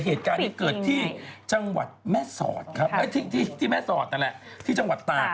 เหตุการณ์นี้เกิดที่จังหวัดแม่สอดครับที่แม่สอดนั่นแหละที่จังหวัดตาก